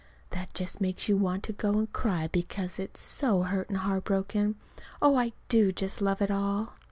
that just makes you want to go and cry because it's so hurt and heart broken. Oh, I do just love it all!